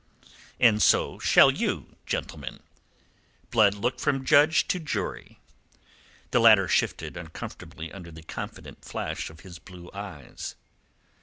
"And so shall you, gentlemen." Blood looked from judge to jury. The latter shifted uncomfortably under the confident flash of his blue eyes.